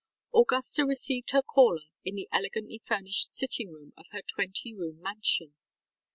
ŌĆØ Augusta received her caller in the elegantly furnished sitting room of her twenty room mansion.